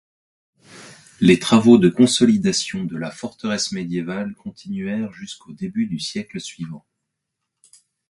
Les travaux de consolidation de la forteresse médiévale continuèrent jusqu'au début du siècle suivant.